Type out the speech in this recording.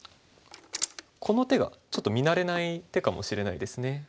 この手がちょっと見慣れない手かもしれないですね。